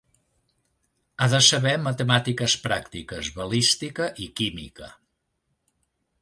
Ha de saber matemàtiques pràctiques, balística i química.